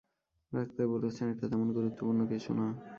Doctor বলেছেন এটা তেমন গুরুত্বপূর্ণ কিছু না।